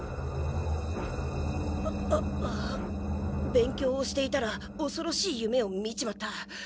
勉強をしていたらおそろしい夢を見ちまった。